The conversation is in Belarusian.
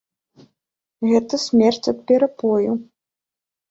Гэта смерць ад перапою.